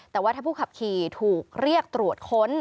แต่ว่าถ้าผู้ขับขี่ถูกเรียกตรวจค้น